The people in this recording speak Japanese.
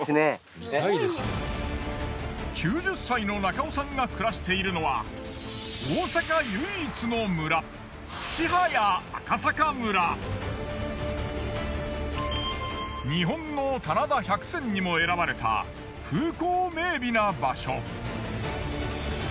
９０歳の中尾さんが暮らしているのは日本の棚田百選にも選ばれた風光明美な場所。